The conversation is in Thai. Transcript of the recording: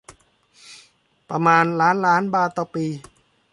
ประมาณล้านล้านบาทต่อปี